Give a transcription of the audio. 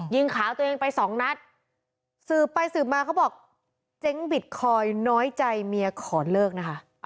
ขาตัวเองไปสองนัดสืบไปสืบมาเขาบอกเจ๊งบิตคอยน้อยใจเมียขอเลิกนะคะ